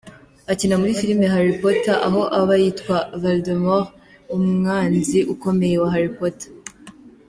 Akina muri filime ‘Harry Potter’ aho aba yitwa Valdemort umwanzi ukomeye wa Harry Potter.